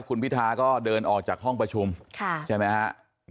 คุณพิทาก็เดินออกจากห้องประชุมใช่ไหมครับ